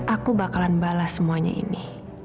aku bakalan balas semuanya ini